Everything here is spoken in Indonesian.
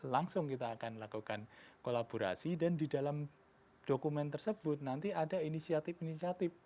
langsung kita akan lakukan kolaborasi dan di dalam dokumen tersebut nanti ada inisiatif inisiatif